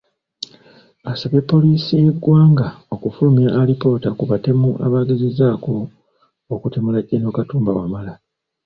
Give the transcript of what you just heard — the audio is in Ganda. Asabye poliisi y’eggwanga okufulumya alipoota ku batemu abaagezezzaako okutemula Gen. Katumba Wamala